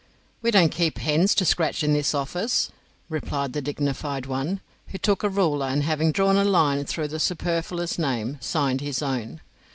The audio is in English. "We don't keep hens to scratch in this office," replied the dignified one, who took a ruler, and having drawn a line through the superfluous name, signed his own.